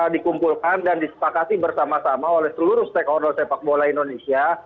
dikumpulkan dan disepakati bersama sama oleh seluruh stakeholder sepak bola indonesia